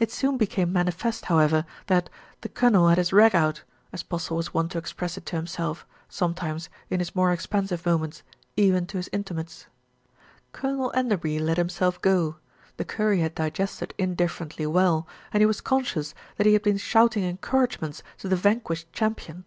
It soon became manifest, however, that "the cunnel had his rag out," as Postle was wont to express it to himself, sometimes, in his more expansive moments, even to his intimates. Colonel Enderby let himself go, the curry had digested indifferently well, and he was conscious that he had been shouting encouragements to the vanquished champion.